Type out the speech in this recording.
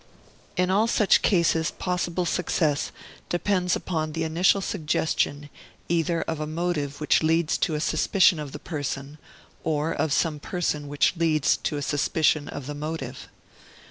In all such cases possible success depends upon the initial suggestion either of a motive which leads to a suspicion of the person, or of some person which leads to a suspicion of the motive.